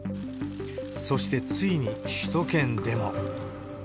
そしてついに首都圏でも。